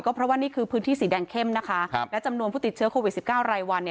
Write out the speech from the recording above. เพราะว่านี่คือพื้นที่สีแดงเข้มนะคะและจำนวนผู้ติดเชื้อโควิด๑๙รายวัน